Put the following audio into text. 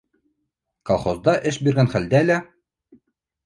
Колхозда эш биргән хәлдә лә...